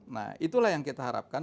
nah itulah yang kita harapkan